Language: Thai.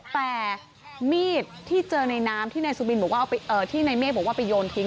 แต่มีดที่เจอในน้ำที่นายเมฆบอกว่าไปโยนทิ้ง